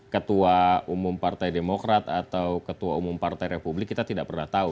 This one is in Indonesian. ketua umum partai demokrat atau ketua umum partai republik kita tidak pernah tahu